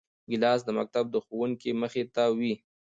ګیلاس د مکتب د ښوونکي مخې ته وي.